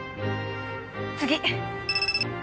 次！